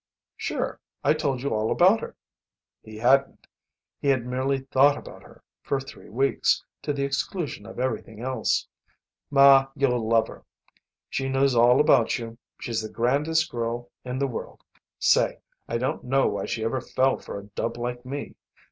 "Sure. I told you all about her." He hadn't. He had merely thought about her, for three weeks, to the exclusion of everything else. "Ma, you'll love her. She knows all about you. She's the grandest girl in the world. Say, I don't know why she ever fell for a dub like me.